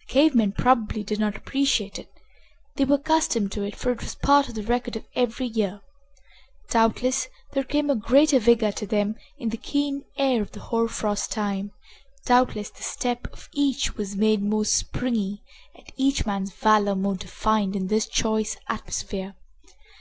The cave men, probably, did not appreciate it. They were accustomed to it, for it was part of the record of every year. Doubtless there came a greater vigor to them in the keen air of the hoar frost time, doubtless the step of each was made more springy and each man's valor more defined in this choice atmosphere.